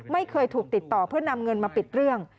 ไม่เคยถูกติดต่อเพื่อนำเงินมาปิดเรื่อง